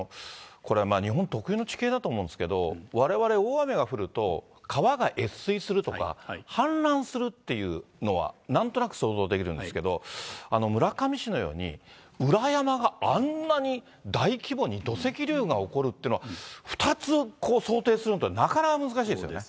これは日本特有の地形だと思うんですけれども、われわれ、大雨が降ると川が越水するとか、氾濫するっていうのはなんとなく想像できるんですけど、村上市のように裏山があんなに大規模に土石流が起こるっていうのは、２つ想定するのってなかなか難しいですよね。